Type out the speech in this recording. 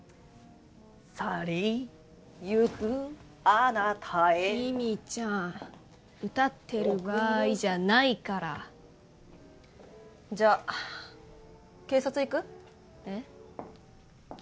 去りゆくあなたへきみちゃん歌ってる場合じゃないからじゃあ警察行く？えっ？